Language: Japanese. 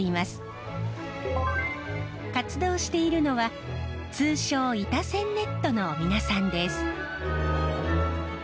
活動しているのは通称イタセンネットの皆さんです。